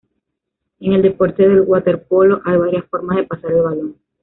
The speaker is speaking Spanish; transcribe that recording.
En el deporte del waterpolo hay varias formas de pasar el balón.